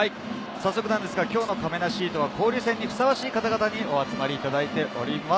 早速なんですが、今日のかめなシートは、交流戦にふさわしい方々にお集まりいただいています。